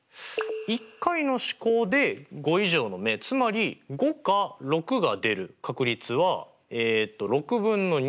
１回の試行で５以上の目つまり５か６が出る確率はえっと６分の２。